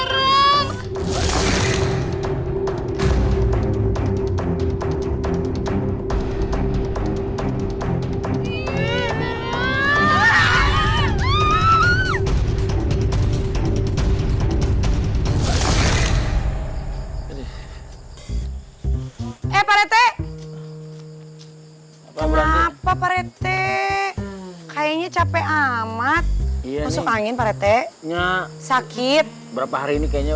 kenapa pak rete kayaknya capek amat iya masuk angin pak rete sakit berapa hari ini kayaknya